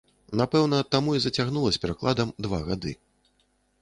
Напэўна, таму і зацягнула з перакладам два гады.